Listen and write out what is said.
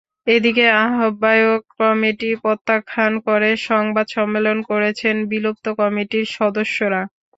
এদিকে আহ্বায়ক কমিটি প্রত্যাখ্যান করে সংবাদ সম্মেলন করেছেন বিলুপ্ত কমিটির সদস্যরা।